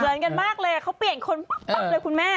เหมือนกันมากเลยเขาเปลี่ยนคนปั๊บเลยคุณแม่